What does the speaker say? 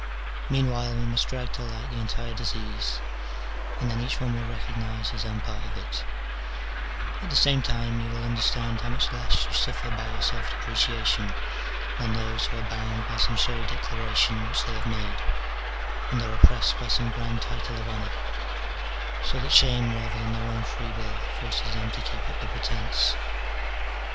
Meanwhile we must drag to light the entire disease, and then each one will recognize his own part of it : at the same time you will understand how much less you suffer by your self depreciation than those who are bound by some showy declaration which they have made, and are oppressed by some grand title of honour, so that shame rather than their own free will forces them to keep up the pretence.